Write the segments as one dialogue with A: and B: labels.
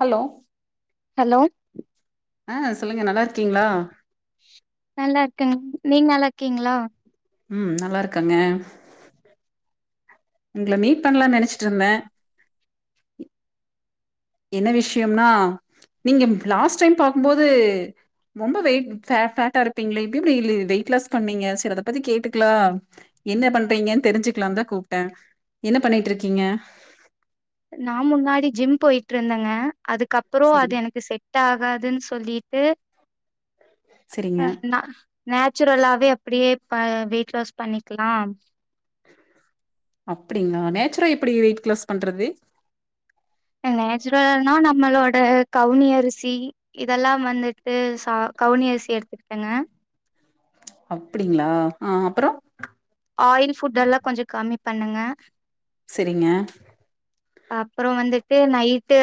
A: Hello
B: hello
A: அ சொல்லுங்க நல்லாருக்
B: நல்லார்க்கங்க நீங் நல்லார்க்கீங்ளா
A: ம் நல்லார்க்கங்க உங்ள மீட் பண்ணலா நெனச்சிட்ருந்த என்ன விஷயம்னா நீங்க லாஸ்ட் டைம் பாக்கும்போது ரொம்ப வெய்ட் ஃபே ஃபேட்டா இருப்பிங்ளே இப்ப எப்டி இ வெயிட் லாஸ் பண்ணிங்க செரி அத பத்தி கேட்டுக்லா என்ன பண்றிங்கன் தெரிஞ்சுக்லான்தா கூப்ட்ட என்ன பண்ணிட்ருக்கிங்க
B: ட்ருந்தங்க அதுக்கப்புற அது
A: சரிங்
B: எனக்கு செட் ஆகாதுன் சொல்லிட்டு
A: சரிங்க
B: அ நா நேச்சுரலாவே அப்படியே ப வெயிட் லாஸ் பண்ணிக்கலா
A: அப்படிங்களா நேச்சுரா எப்படி வெயிட் லாஸ் பண்றது
B: நோச்சுரல்னா நம்மளோ ட கவுனி அரிசி இதெல்லாம் வந்துட்டு சா கவுனி அரிசி எடுத்துக்கிட்டங்க
A: அப்படிங்களா ஆ அப்பற
B: ஆயில் ஃபுட் எல்லா கொஞ்ச கமி பண்ணங்க
A: செரிங்க
B: அப்புற வந்துட்டு நைட்டு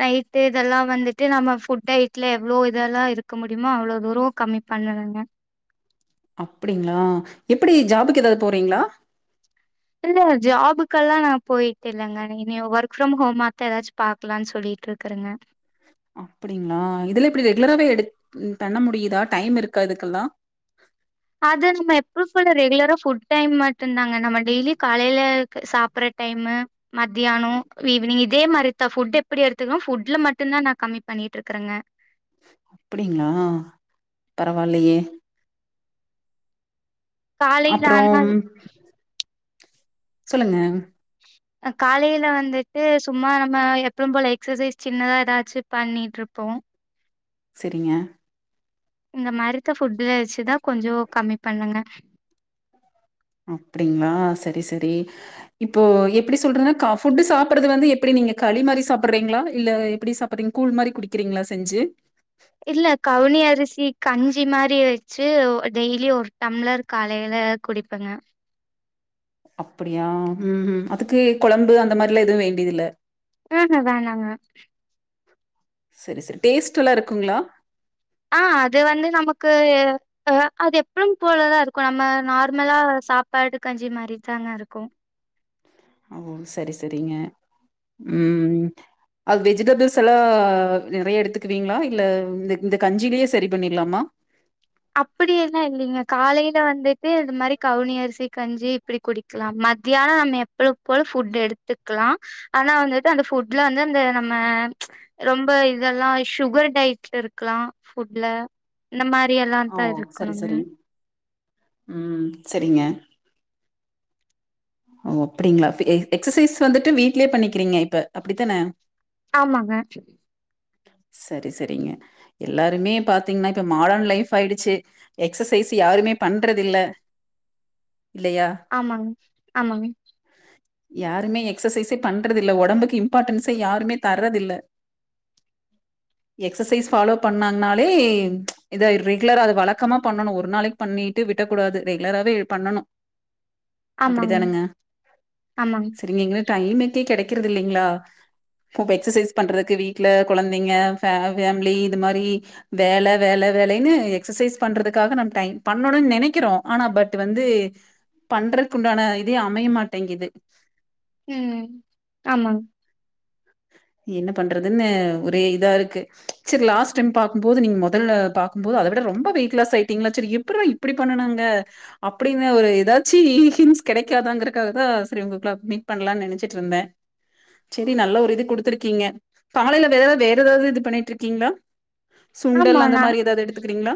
B: நைட்டு இதெல்லா வந்துட்டு நம்ம ஃபுட் ஐட்ல எவ்ளோ இதெல்லா இருக்க முடியுமோ அவ்ளோ தூர கமி பண்ணுனங்க
A: அப்படிங்களா எப்படி ஜாபுக்கு எதாது போறிங்ளா
B: இல்ல ஜாபுக்கெல்லா நா போயிட்டு இல்லங்க இனி ஒர்க் ஃப்ரம் ஹோம்மாத்த எதாச்சு பாக்கலான் சொல்லிட்ருக்கறங்க
A: அப்படிங்ளா இதுல எப்படி ரெகுலராவே எடு பண்ண முடியுதா டைம் இருக்கா இதுக்கெல்லா
B: அது நம்ம எப்பவு போல ரெகுலரா ஃபுட் டைம் மட்டுந்தாங்க நம்ம டெய்லி காலைலக் சாப்பற டைமு மத்தியானோ ஈவினிங் இதே மாரித்தா ஃபுட் எப்படி எடுத்துக்கணோ ஃபுட்ல மட்டுந்தா நா கமி பண்ணிட்ருக்கறங்க
A: அப்படிங்ளா பரவால்லயே
B: காலைல்
A: அப்புறம்
B: ஆனால்
A: சொல்லுங்க
B: அ காலைல வந்துட்டு சும்மா நம்ம எப்யுபோல எக்சசைஸ் சின்னதா ஏதாச்சு பண்ணிட் இருப்போ
A: செரிங்க
B: இந்த மாரித்த ஃபுட்டு வச்சுதா கொஞ்சோ கம்மி பண்ணுங்க
A: அப்டிங்ளா சரி சரி இப்போ எப்டி சொல்றதுனா ஃபுட்டு சாப்புட்றது வந்து எப்டி நீங்க களி மாரி சாப்புட்றீங்ளா இல்ல எப்டி சாப்புட்றீங்க கூழ் மாரி குடிக்கிறீங்ளா செஞ்சி
B: இல்ல கவுனி அரிசி கஞ்சி மாரி வச்சு டெய்லி ஒரு டம்ளர் காலைல குடிப்பங்க
A: அப்படியா ம் ம் அதுக்கு கொழம்பு அந்த மாரிலா எதுவு வேண்டியதுல்ல
B: உ ஹு வேணா வே
A: செரி செரி டேஸ்ட்டுல்லா இருக்குங்ளா
B: ஆ அது வந்து நமக்கு அ அது எப்யுபோலதா இருக்கு நம்ம நார்மலா சாப்பாடு கஞ்சி மாரி தாங்க இருக்கு
A: உ செரி செரிங்க ம் அது வெஜிடபிள்ஸ் எல்லா நறைய எடுத்துக்குவீங்ளா இல்ல இந்த இந்த கஞ்சிலே செரி பண்ணிட்லாமா
B: அப்படியெல்லா இல்லைங்க காலைல வந்துட்டு இது மாரி கவுனி அரிசி கஞ்சி இப்டி குடிக்லா மத்தியானோ நம்ம எப்பவ் போல ஃபுட் எடுத்துக்லா ஆனா வந்துட்டு அந்த ஃபுட்ல வந்து அந்த நம்ம ரொம்ப இதெல்லா சுகர் டயட் இருக்லா ஃபுட்ல இந்த மார் ரி எல்லா
A: ஓ
B: தா
A: சரி
B: இருக்ணுங்க
A: சரி ம் செரிங்க ஓ அப்டிங்ளா ஃப் எக்சசைஸ் வந்துட்டு வீட்லயே பண்ணிக்றீங்க இப்ப அப்டித்தானே
B: ஆமாங்க
A: செரி செரிங்க எல்லாருமே பாத்தீங்னா இப்ப மாடன் லைஃப் பாயிடுச்சு எக்ஸசைஸ் யாருமே பண்றதில்ல இல்லையா?
B: ஆமாங் ஆமாங்
A: யாருமே எக்சசைஸே பண்றதில்ல ஒடம்புக்கு இம்பார்ட்டன்ஸே யாருமே தர்றதில்ல எக்ஸசைஸ் ஃபாலோ பண்ணாங்னாலே இதாய்ரே குலரா அது வழக்கமா பண்ணணூ ஒரு நாளைக்கு பண்ணிட்டு விடக்கூடாது ரெகுலராவே பண்ணணூ
B: ஆமாங்க
A: அப்டிதானுங்க
B: ஆமாங்க
A: செரிங்க எங்க டைம்க்கே கெடைக் க்றதில்லைங்ளா எக்சசைஸ் பண்றதுக்கு வீட்ல கொழந்தைங்க ஃபே ஃபேமிலி இது மாரி வேல வேல வேலன்னு எக்சசைஸ் பண்றதுக்காக நம் டைம் பண்ணணூனு நெனைக்கிறோ ஆனா பட் வந்து பண்றக்கு உண்டான இதே அமைய மாட்டேங்குது
B: ம் ஆமாங்க
A: என்ன பண்றதுன்னு ஒரே இதாருக்கு செரி லாஸ்ட் டைம் பாக்கும்போது நீங்க மொதல்ல பாக்கும்போது அத விட ரொம்ப வெயிட்லாஸ் ஆயிட்டீங்களா செரி எப்பிட்ரா இப்டி பண்ணனாங்க அப்டின்னு ஒரு ஏதாச்சி ஹின்ட்ஸ் கெடைக்காதாங்கறக்காகதா செரி உங்கோக்லா மீட் பண்லானு நெனைச்சிட்டுருந்தே செரி நல்ல ஒரு இது குடுத்துருக்கீங்க காலையில வேற வேற ஏதாவ்து இது பண்ணிட்ருக்கீங்ளா
B: ஆமா
A: சுண்டல் அந்த
B: நாங்
A: மாரி ஏதாவ்து எடுத்துக்றீங்ளா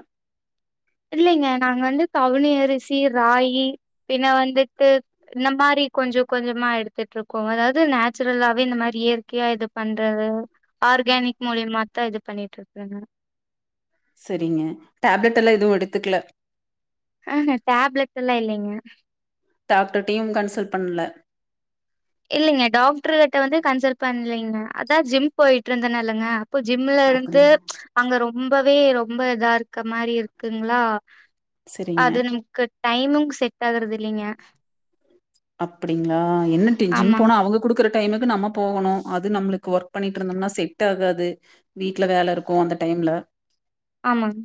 B: இல்லைங்க நாங் வந்து கவுனி அரிசி ராகி பின்ன வந்துட்டு இந்த மாரி கொஞ்சோ கொஞ்சமா எடுத்துட்ருக்கோ அதாவ்து நேச்சுரலாவே இந்த மாரி இயற்கையா இது பண்றது ஆர்கானிக் மூலியமாத்தா இது பண்ணிட்ருக்றேங்க
A: செரிங்க டேப்லெட் எல்லா எதுவூ எடுத்துக்கல
B: ஆஹ டேப்லெட்ஸ் எல்லா இல்லைங்க
A: டாக்டர்டயூ கன்சல்ட் பண்ல
B: இல்லைங்க டாக்டர் கிட்ட வந்து கன்சல்ட் பண்லீங்க அதா ஜிம் போயிட்டுருந்தேன இல்லங்க இப்ப
A: அப்டி
B: ஜிம்லருந்து அங்க ரொம்ப வே ரொம்ப இதாருக்க மாரி இருக்குங்களா
A: சரிங்க
B: அது நம்க்கு டைமிங் செட் ஆகுறதில்லைங்க
A: அப்டிங்ளா என்ன இ ஜிம் போனா அவுங்க குடுக்கற டைமுக்கு நம்ம போகணூ அது நம்மளுக்கு ஒர்க் பண்ணிட்டு இருந்தோம்னா செட் ஆகாது வீட்ல வேலருக்கூ அந்த டைம்ல
B: ஆமாங்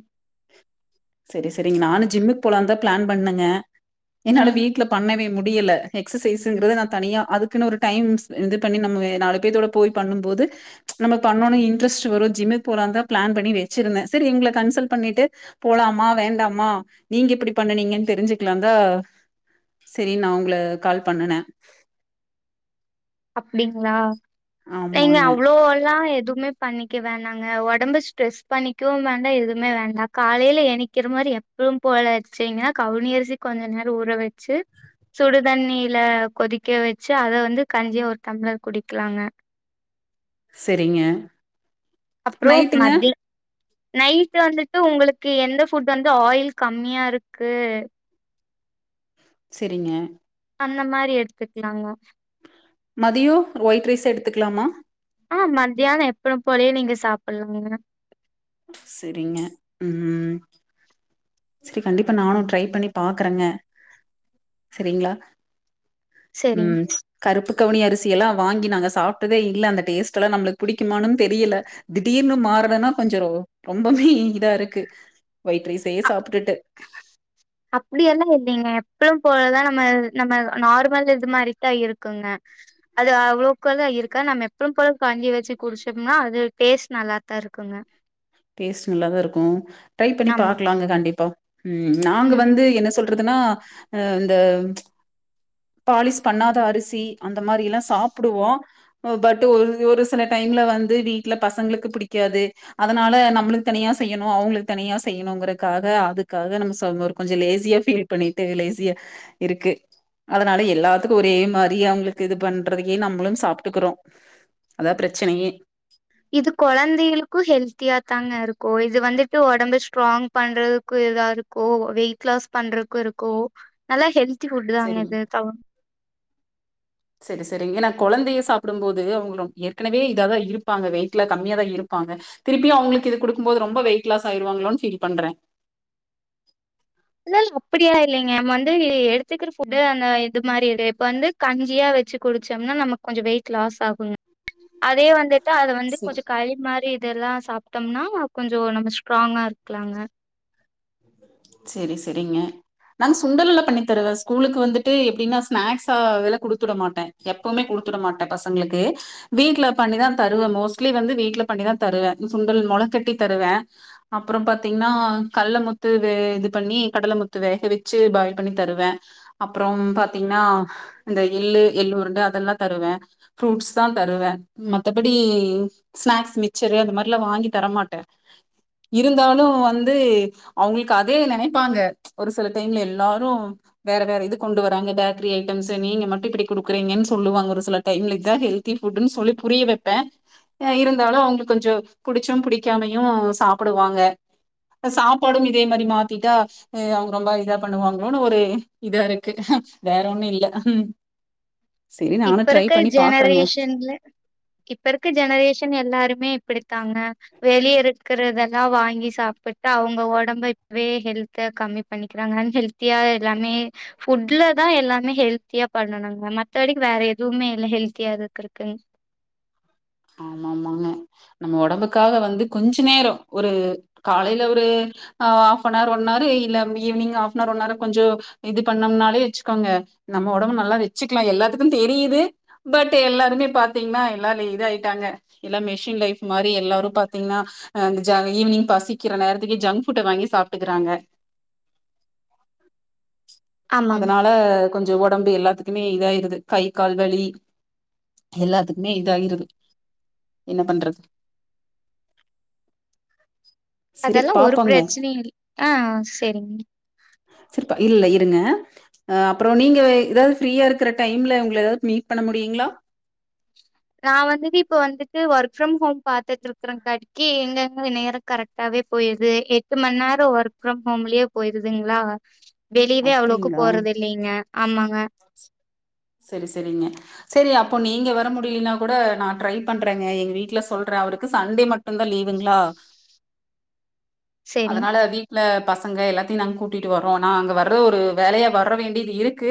A: செரி செரிங்க நானூ ஜிம்முக்கு போலாந்தா ப்ளான் பண்ணேங்க என்னோட
B: ம்
A: வீட்ல பண்ணவே முடியல எக்ஸசைஸுங்கிறது நா தனியா அதுக்குன்னு ஒரு டைம்ஸ் இது பண்ணி நம்ம நாலு பேத்தோட போய் பண்ணும்போது நம்ம பண்ணோன்னு இன்ட்ரெஸ்ட் வரூ ஜிம்முக்கு போலான்ந்தா ப்ளான் பண்ணி வச்சிருந்தே செரி உங்கள கன்சல்ட் பண்ணிட்டு போலாமா வேண்டாமா நீங்க எப்டி பண்ணுனீங்கன்னு தெரிஞ்சுக்கலாந்தா செரி நா உங்கள கால் பண்ணுனே
B: அப்டிங்களா ஏங்க
A: ஆமாங்க
B: அவ்ளோ எல்லா எதூமே பண்ணிக்க வேண்டாங்க ஒடம்பு ஸ்ட்ரெஸ் பண்ணிக்கவூ வேண்டா எதூமே வேண்டா காலையில எநிக்கிற மாரி எப்பவூ போல எச்சிங்கன்னா கவுனி அரிசி கொஞ்ச நேரோ ஊற வச்சு சுடுதண்ணியல கொதிக்க வச்சு அத வந்து கஞ்சியா ஒரு டம்ளர் குடிக்கலாங்க
A: செரிங்க
B: அப்றோ
A: நைட்டுங்க
B: மத்திய நைட்டு வந்துட்டு உங்களுக்கு எந்த ஃபுட் வந்து ஆயில் கம்மியா இருக்கு
A: செரிங்க
B: அந்த மாரி எடுத்துக்லாங்க
A: மதியோ ஒயிட் ரைசே எடுத்துக்லாமா
B: ஆஹ் மத்தியான எப்பியு போலயே நீங்க சாப்பல்லா நீங்க
A: செரிங்க உம் செரி கண்டிப்பா நானு ட்ரை பண்ணி பாக்கறங்க செரிங்ளா
B: சரிங்
A: உம் கருப்பு கவுனி அரிசிஎல்லா வாங்கி நாங்க சாப்ட்டதே இல்ல அந்த டேஸ்ட் எல்லா நம்மளுக் பிடிக்குமாணும் தெரியல திடீர்னு மார்றதனா கொஞ்சோ ரொம்பமே இதா இருக்கு ஒயிட் ரைஸே சாப் ப்ட்டுட்டு
B: அப்டியெல்லா இல்லீங்க எப்பியு போலதா நம்ம நம்ம நார்மல் இது மாரித்தா இருக்குங்க அது அவ்ளவுக்குதா இருக்கா நம்ம எப்பும் போல கஞ்சி வெச்சு குடிச்சம்னா அது டேஸ்ட் நல்லாத்தா இருக்குங்க
A: டேஸ்ட்டு நல்லா தா இருக்கு ட்ரை பண்ணி
B: ஆமா
A: பாக்லாங்க கண்டிப்பா உம் நாங்க
B: ம்
A: வந்து என்ன சொல் ல்றதுன்னா அ இந்த பாலிஷ் பண்ணாத அரிசி அந்த மாரி எல்லா சாப்புடுவோ பட் ஒர் ஒரு சில டைம்ல வந்து வீட்ல பசங்களுக்கு பிடிக்காது அ அதனால நம்மளுக் தனியா செய்யணு அவுங்களுக் தனியா செய்யணுங்கறக்காக அதுக்காக நம் ச ஒரு கொஞ்சோ லேசியா ஃபீல் பண்ணிட்டு லேசியா இருக்கு அதனால எல்லாத்துக்கு ஒரே மாரி அவுங்களுக்கு இது பண்றதையே நம்மளும் சாப்ட்டுக்றோ அதா பிரச்சனையே
B: இது கொழந்தைகளுக்கு ஹெல்த்தியா தாங்க இருக்கூ இது வந்துட்டு ஒடம்பு ஸ்ட்ராங் பண்றதுக்கு இதா இருக்கூ வெயிட் லாஸ் பண்றக்கு இருக்கூ நல்லா ஹெல் த்தி ஃபுட்டு தாங்க இது தவுன்
A: செரி செரிங் ஏனா கொழந்தைய சாப்டும் போது அவுங் ரொம் ஏற்கெனவே இதாதா இருப்பாங்க வெயிட்ல கம்மியாதா இருப்பாங்க திருப்பியு அவுங்ளுக்கு இது குடுக்கும் போது ரொம்ப வெயிட் லாஸ் ஆயிருவாங்ளோன் ஃபீல் பண்றே
B: இல்லல் அப்பிடி எல்லா இல்லீங்க நம் வந்து இது எடுத்துக்கிற ஃபுட்டு அந்த இது மாரி இரு இப்ப வந்து கஞ்சியா வெச்சு குடிச்சம்னா நமக் கொஞ்சோ வெயிட் லாஸ் ஆகுங்க அதே வந்து ட்டு அத வந்து
A: ம்.
B: கொஞ்ச களி மாரி இதெல்லா சாப்ட்டம்னா கொஞ்சோ நம்ம ஸ்ட்ராங்கா இருக்லாங்க
A: செரி செரிங்க நாங் சுண்டல்ல பண்ணி தருவே ஸ்கூலுக்கு வந்துட்டு எப்டின்னா ஸ்நாக்ஸா அதல்ல குடுத்துட மாட்டே எப்புமே குடுத்துட மாட்டே பசங்களுக்கு வீட்ல பண்ணிதா தருவே மோஸ்ட்லி வந்து வீட்ல பண்ணிதா தருவே சுண்டல் மொள கட்டி தருவே அப்புறம் பாத்தீங்ன்னா கல்லமு த்து வே இது பண்ணி கடலமுத்து வேக வெச்சு பாயில் பண்ணி தருவே அப்புறம் பாத்தீங்ன்னா இந்த எள்ளு எள்ளு உருண்ட அதெல்லா தருவே ஃப்ரூட்ஸ் தா தருவே மத்தபடி ஸ்நாக்ஸ் மிச்சரு அந்த மாரில்லா வாங்கி தரமாட்டே இருந்தாலு வந்து அவுங்குளுக்கு அதே நெனைப்பாங்க ஒரு சில டைம்ல எல்லாரு வேற வேற இது கொண்டு வராங்க பேக்கரி ஐட்டம்ஸு நீங்க மட்டு இப்டி குடுக்கறீங்கன் சொல்லுவாங்க ஒரு சில டைம்ல இதா ஹெல்தி ஃபுட்டுன் சொல்லி புரிய வெப்பே அ இருந்தாலு அவுங்ளுக் கொஞ்சோ புடிச்சும் புடிக்காமையு சாப்புடுவாங்க சாப் பாடும் இதே மாரி மாத்திட்டா அ அவுங் ரொம்ப இதா பண்ணுவாங்ளோனு ஒரு இதாரு த்து வேற ஒன்னு இல்ல சரி நானு
B: இப்ப
A: ட்ரை
B: இருக்க
A: பண்ணி பாக்குறேங்க
B: ஜெனரேஷன்ல இப்ப இருக்க ஜெனரேஷன் எல்லாருமே ப்பிடித்தாங்க வெளிய இருக்றதெல்லா வாங்கி சாப்பிட்டு அவுங்க ஒடம்ப இப்வே ஹெல்த்த கம்மி பண்ணிக்கிறாங் அன்ஹெல்த்தியா எல்லாமே ஃபுட்ல தா எல்லாமே ஹெல்த்தியா பண்ணணுங்க ம த்தபடிக்கு வேற எதுவுமே இல்ல ஹெல்த்தியா இருக்கறக்குங்
A: ஆமாமாங்க நம்ம ஒடம்புக்காக வந்து கொஞ்ச நேரோ ஒரு காலைல ஒரு ஹாஃப்பனர் ஒன் அர் இல்ல ஈவினிங் ஹாஃப்னர் ஒன் அர் கொஞ்சோ இது பண்ணம்னாலே வெச்சுக்கோங்க நம்ம ஒடம்பு நல்லா வெச்சுக்லா எல்லாத்துக்குந் தெரியிது பட் எல்லாருமே பாத்தீங்ன்னா எல்லால இதாயி டாங்க எல்லா மெஷின் லைஃப் மாரி எல்லாரு பாத்தீங்ன்னா ந்த ஜ ஈவினிங் பசிக்கிற நேரத்துக்கி ஜங் ஃபுட்ட வாங்கி சாப்ட்டுக்கறாங்க
B: ஆமாங்
A: அதனால கொஞ்சோ ஒடம்பு எல்லாத்துக்குமே இதாயிருது கை கால் வலி எல்லாத்துக்குமே இதாயிருது என்ன பண்றது செரி
B: அதல்லா ஒரு
A: பாப்போங்க
B: பிரச்னையு இல் ஆ ஆ சேரிங்க
A: ப்ப இல்ல இருங்க அ அப்புறோ நீங்க எதாது ஃப்ரியா இருக்கற டைம்ல உங்க எதாது மீட் பண்ண முடியுங்ளா
B: நா வந்துட்டு இப்ப வந்து ட்டு ஒர்க் ஃப்ரம் ஹோம் பாத்துட்ருக்கரங்காட்டிக்கி எங்கங்க நேரோ கரெக்டாவே போயிருது எட்டு மண் நேரோ ஒர்க் ஃப்ரம் ஹோம்லியே போயிருதுங்ளா வெளிவே அவ்ளோக்கு போறது இல்லீங்க ஆமாங்க
A: சரி சரிங்க சரி அப்போ நீங்க வர முடியலைனா கூட நான் ட்ரை பண்றேங்க எங்க வீட்டுல சொல்றேன் அவருக்கு சண்டே மட் ட்டு்தான் லீவுங்களா
B: செரிங்
A: அதனால வீட்ல பசங்க எல்லாத்தையும் நாங்க கூட்டிட்டு வர்றோம் நா அங்க வர்ற ஒரு வேலையா வர வேண்டியது இருக்கு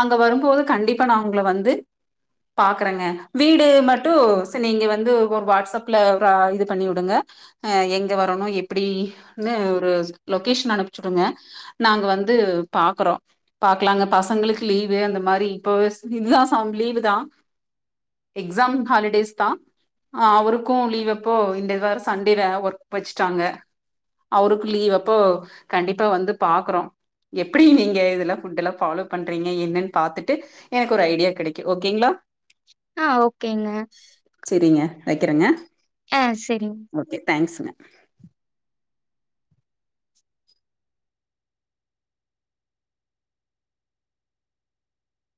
A: அங்க வரும்போது கண்டிப்பா நான் உங்கள வந்து பாக்கறேங்க வீடு மட்டும் செரி நீங்க வந்து ஒரு வாட்ஸ்அப்ல இது பண்ணிவுடுங்க எங்க வரணும் எப்படினு ஒரு லொகேஷன் அனுப்பிச்சுடுங்க நாங்க வந்து பாக்குறோம் பாக்கலாங்க பசங்களுக் கு லீவு அந்த மாரி இப்பவே சு பிகாஸ் அவுனுக்கு லீவுதான் எக்ஸாம் ஹாலிடேஸ் தான் அவருக்கும் லீவ் அப்போ இந்த வா சண்டே ஒர்க் வச்ட்டாங்க அவருக்கும் லீவ் அப்போ கண்டிப்பா வந்து பாக்குறோம் எப்படி நீங்க இதெல்லாம் ஃபாலோ பண் றீங்க என்னன்னு பாத்துட்டு எனக்கு ஒரு ஐடியா கெடைக்கும் ஓகேங்களா
B: ஆஹ் ஓகேங்க
A: வெக்கறேங்க
B: ஆஹ் செரிங்
A: தேங்க்ஸுங்க